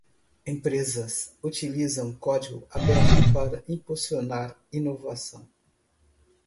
Empresas utilizam código aberto para impulsionar inovação.